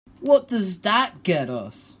What does that get us?